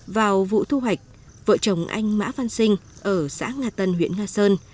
vào vụ thu hoạch vợ chồng anh mã văn sinh ở xã nga tân huyện nga sơn